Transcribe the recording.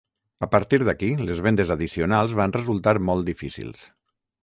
A partir d'aquí les vendes addicionals van resultar molt difícils.